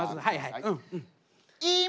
はいはい。